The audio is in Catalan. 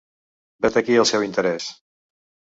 Vet aquí el seu interès.